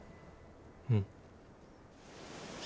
うん。